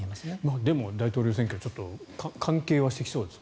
でも、大統領選挙は関係はしてきそうですね。